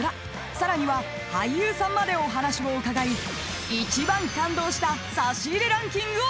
［さらには俳優さんまでお話を伺い一番感動した差し入れランキングを作成］